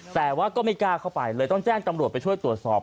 แต่ว่าก็ไม่กล้าเข้าไปเลยต้องแจ้งตำรวจไปช่วยตรวจสอบ